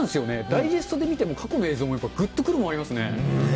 ダイジェストで見ても、過去の映像もぐっとくるものがありますよね。